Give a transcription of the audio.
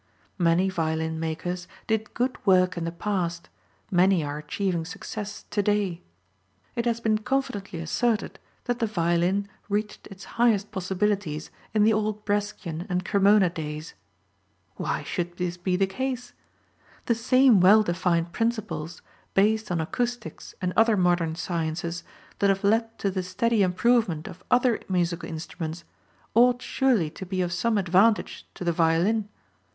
Many violin makers did good work in the past, many are achieving success to day. It has been confidently asserted that the violin reached its highest possibilities in the old Brescian and Cremona days. Why should this be the case? The same well defined principles, based on acoustics and other modern sciences, that have led to the steady improvement of other musical instruments ought surely to be of some advantage to the violin.